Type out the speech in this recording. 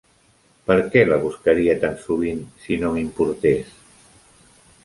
Per què la buscaria tan sovint si no m'importés?